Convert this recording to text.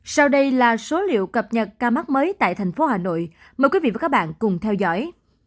sau đây là số liệu cập nhật ca mắc mới tại thành phố hà nội mời quý vị và các bạn cùng theo dõi